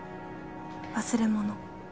忘れ物。